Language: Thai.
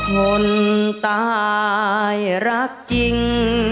คนตายรักจริง